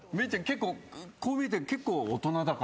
結構こう見えて結構大人だから。